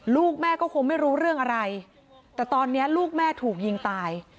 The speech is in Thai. ลูกแม่ก็คงไม่รู้เรื่องอะไรแต่ตอนนี้ลูกแม่ถูกยิงตาย